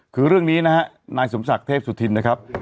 คือเรื่องนี้นะฮะนายสมศักดิ์เทพสุธินนะครับ